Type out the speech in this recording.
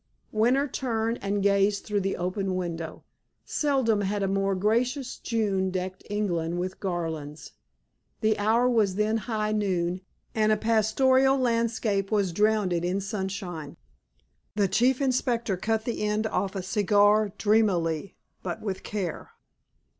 Winter turned and gazed through the open window. Seldom had a more gracious June decked England with garlands. The hour was then high noon, and a pastoral landscape was drowned in sunshine. The Chief Inspector cut the end off a cigar dreamily but with care.